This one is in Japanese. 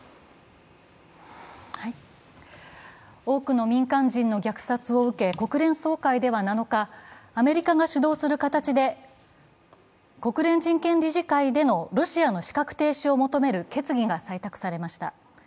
多くの民間人の虐殺を受け、国連総会では７日、アメリカが主導する形で、国連人権理事会でのロシアの資格停止を求める決議が採択されました。